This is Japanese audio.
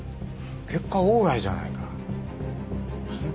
結果オーライじゃないか。